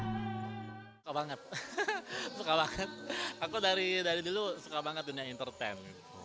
suka banget suka banget aku dari dulu suka banget dunia entertain